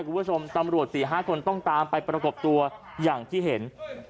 คุณผู้ชมตำรวจ๔๕คนต้องตามไปประกบตัวอย่างที่เห็น